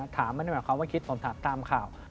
ถามไม่ได้หมายความว่าคิดผมถามตามข่าว